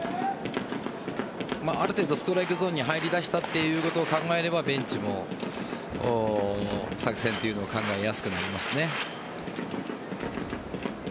ある程度、ストライクゾーンに入りだしたということを考えればベンチも作戦を考えやすくなりますね。